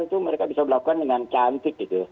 itu mereka bisa melakukan dengan cantik gitu